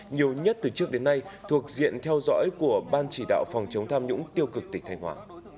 nhiều nhất từ trước đến nay thuộc diện theo dõi của ban chỉ đạo phòng chống tham nhũng tiêu cực tỉnh thanh hóa